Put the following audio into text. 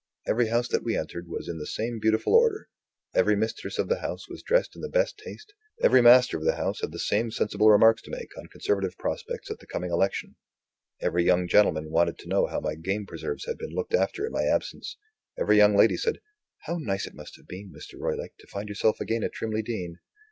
Every house that we entered was in the same beautiful order; every mistress of the house was dressed in the best taste; every master of the house had the same sensible remarks to make on conservative prospects at the coming election; every young gentleman wanted to know how my game preserves had been looked after in my absence; every young lady said: "How nice it must have been, Mr. Roylake, to find yourself again at Trimley Deen."